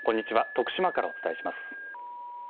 徳島からお伝えします。